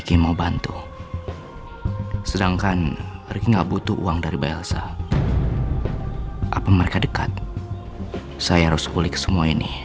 kamu yang main gitar aku sama rena yang nyanyi